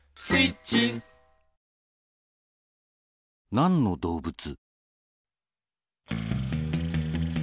なんのどうぶつ？